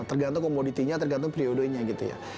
tergantung komoditinya tergantung periodenya gitu ya